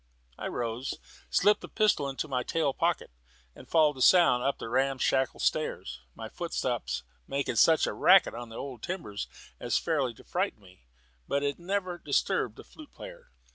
I rose, slipped the pistol into my tail pocket, and followed the sound up the ramshackle stairs. My footsteps made such a racket on their old timbers as fairly to frighten me, but it never disturbed the flute player.